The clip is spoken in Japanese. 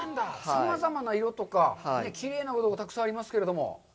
さまざまな色とか、きれいなものがたくさんありますけども。